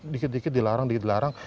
dikit dikit dilarang dilarang